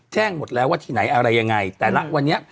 หมดแล้วว่าที่ไหนอะไรยังไงแต่ละวันนี้